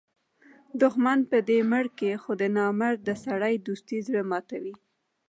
دوښمن به دي مړ کي؛ خو د نامرده سړي دوستي زړه ماتوي.